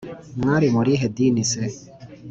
Mwari mu rihe dini se